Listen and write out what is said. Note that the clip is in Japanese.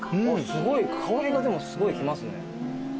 すごい香りがでもすごい来ますね。